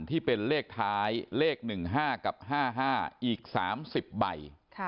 ที่เป็นเลขท้ายเลข๑๕กับ๕๕อีก๓๐ใบ